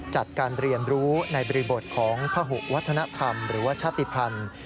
จัดการเรียนรู้ในบริบทของพหุวัฒนธรรมหรือว่าชาติภัณฑ์